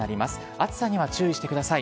暑さには注意してください。